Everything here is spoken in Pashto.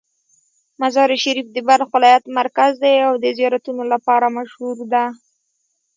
مزار شریف د بلخ ولایت مرکز دی او د زیارتونو لپاره مشهوره ده.